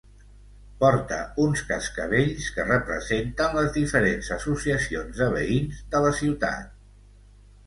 Porta uns cascavells que representen les diferents associacions de veïns de la ciutat.